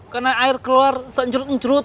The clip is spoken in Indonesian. karena air keluar seencrut encrut